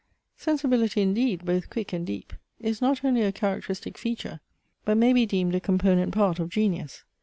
Sensibility indeed, both quick and deep, is not only a characteristic feature, but may be deemed a component part, of genius.